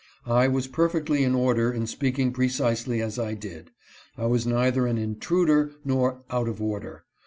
I was perfectly in order in speaking precisely as I did. I was neither an " intruder " nor " out of order."